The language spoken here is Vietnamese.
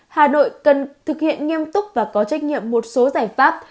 hà nội cần thực hiện nghiêm túc và có trách nhiệm một số giải pháp